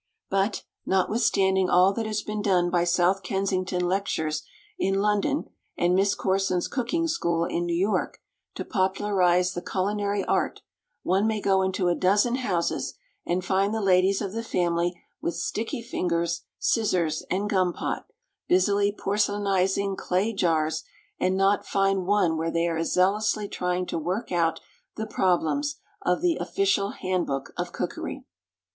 But, notwithstanding all that has been done by South Kensington lectures in London and Miss Corson's Cooking School in New York to popularize the culinary art, one may go into a dozen houses, and find the ladies of the family with sticky fingers, scissors, and gum pot, busily porcelainizing clay jars, and not find one where they are as zealously trying to work out the problems of the "Official Handbook of Cookery."